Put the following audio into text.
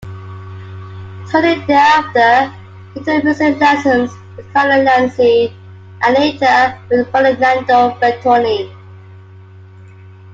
Shortly thereafter, he took music lessons with Carlo Lenzi, and later with Ferdinando Bertoni.